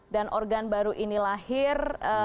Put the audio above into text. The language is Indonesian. dan organ baru ini lahir